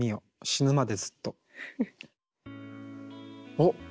おっ！